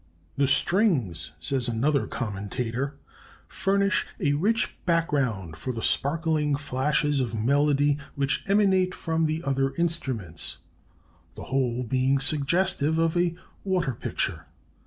"The strings," says another commentator, furnish "a rich background for the sparkling flashes of melody which emanate from the other instruments, the whole being suggestive of a water picture.